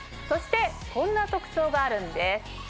そしてこんな特徴があるんです。